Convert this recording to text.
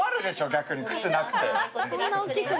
逆に靴なくて。